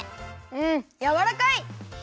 んやわらかい！